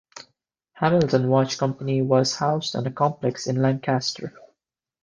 Hamilton Watch Company was housed on a complex in Lancaster.